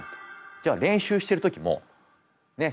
じゃあ練習してる時もねっ。